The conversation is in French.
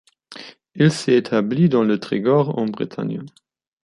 Il s'est établi dans le Trégor, en Bretagne.